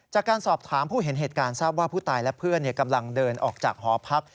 จากการสอบถามผู้เห็นเหตุการณ์ทราบว่าผู้ตายและเพื่อนกำลังเดินออกจากหอพัก